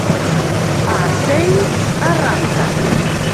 Ás seis arranca.